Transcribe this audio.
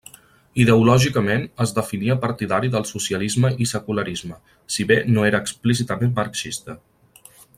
Ideològicament, es definia partidari del socialisme i secularisme, si bé no era explícitament marxista.